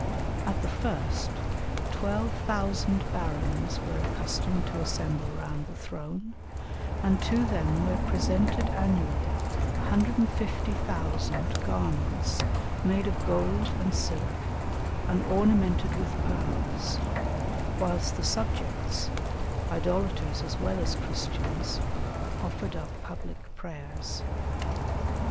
At the first, 12,000 barons were accustomed to assemble round the throne, and to them were presented annually 150,000 garments made of gold and silk and ornamented with pearls, whilst the subjects, idolaters as well as Christians, offered up public prayers.